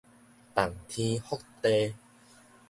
動天覆地